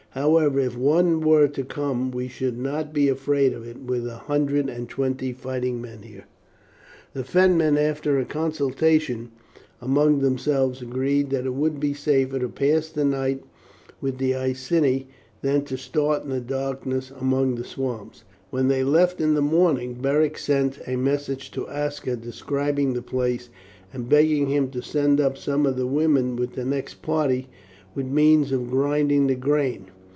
However, if one were to come we should not be afraid of it with a hundred and twenty fighting men here." The Fenmen, after a consultation among themselves, agreed that it would be safer to pass the night with the Iceni than to start in the darkness among the swamps. When they left in the morning Beric sent a message to Aska describing the place, and begging him to send up some of the women with the next party with means of grinding the grain.